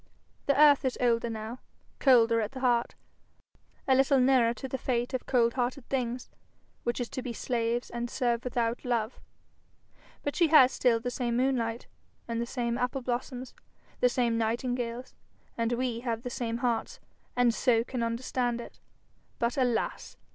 The earth is older now, colder at the heart, a little nearer to the fate of cold hearted things, which is to be slaves and serve without love; but she has still the same moonlight, the same apple blossoms, the same nightingales, and we have the same hearts, and so can understand it. But, alas!